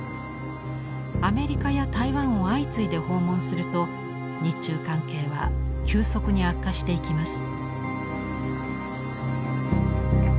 アメリカや台湾を相次いで訪問すると日中関係は急速に悪化していきます。